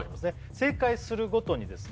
正解するごとにですね